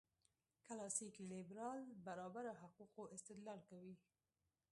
کلاسیک لېبرال برابرو حقوقو استدلال کوي.